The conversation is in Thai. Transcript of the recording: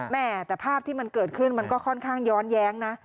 แม่แต่ภาพที่มันเกิดขึ้นมันก็ค่อนข้างย้อนแย้งนะ